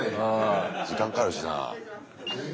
時間かかるしな。